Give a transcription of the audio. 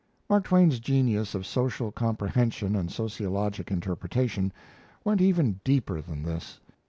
Mark Twain's genius of social comprehension and sociologic interpretation went even deeper than this.